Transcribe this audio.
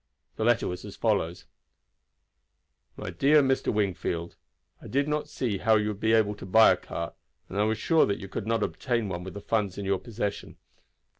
The letter was as follows: "My Dear Mr. Wingfield: I did not see how you would be able to buy a cart, and I was sure that you could not obtain one with the funds in your possession.